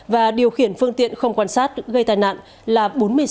và điều khiển phương tiện không quan sát gây tài nạn